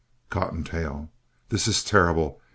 COTTONTAIL This is terrible.